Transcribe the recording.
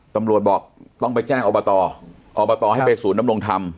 ตำรวจบอกต้องไปแจ้งอบตอบตให้ไปศูนยำรงธรรม